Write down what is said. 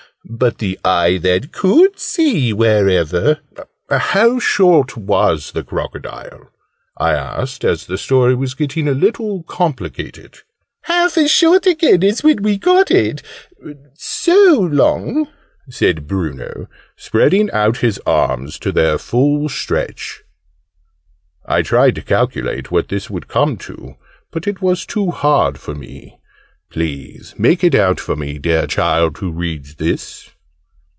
But the eye that could see wherever " "How short was the crocodile?" I asked, as the story was getting a little complicated. "Half as short again as when we caught it so long," said Bruno, spreading out his arms to their full stretch. I tried to calculate what this would come to, but it was too hard for me. Please make it out for me, dear Child who reads this!